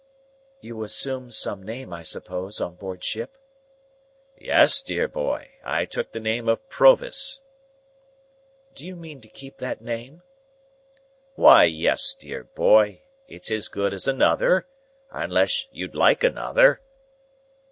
"You assumed some name, I suppose, on board ship?" "Yes, dear boy. I took the name of Provis." "Do you mean to keep that name?" "Why, yes, dear boy, it's as good as another,—unless you'd like another."